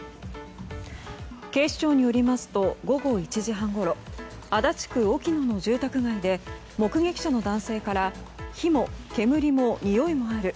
警視庁によりますと午後１時半ごろ足立区興野の住宅街で目撃者の男性から火も煙もにおいもある。